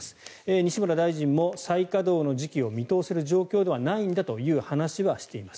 西村大臣も再稼働の時期を見通せる状況ではないんだという話をしています。